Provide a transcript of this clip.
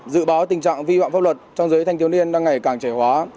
dự báo tình trạng vi phạm pháp luật trong giới thanh thiếu niên đang ngày càng trẻ hóa